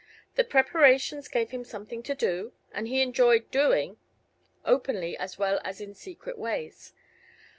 The preparations gave him something to do, and he enjoyed doing openly, as well as in secret ways.